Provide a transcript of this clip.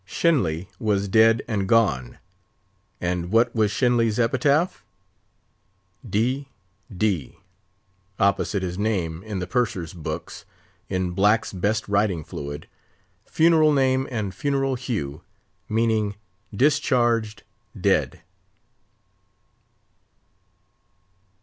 Shenly was dead and gone; and what was Shenly's epitaph? —"D. D."— opposite his name in the Purser's books, in "Black's best Writing Fluid"—funereal name and funereal hue—meaning "Discharged, Dead."